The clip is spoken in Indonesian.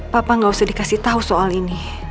papa nggak usah dikasih tau soal ini